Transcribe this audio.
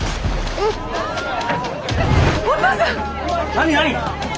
何何？